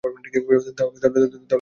তাহলে তো চমৎকার হবে।